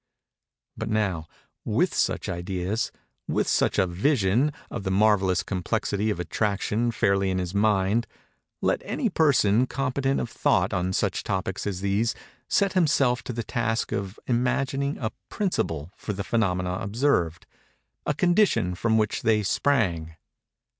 But now,—with such ideas—with such a vision of the marvellous complexity of Attraction fairly in his mind—let any person competent of thought on such topics as these, set himself to the task of imagining a principle for the phænomena observed—a condition from which they sprang.